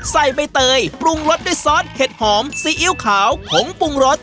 ใบเตยปรุงรสด้วยซอสเห็ดหอมซีอิ๊วขาวผงปรุงรส